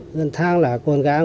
ngân thang là con gái